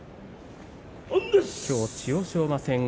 きょうは千代翔馬戦。